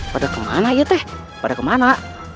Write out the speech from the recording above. pada kemana ya teh pada kemana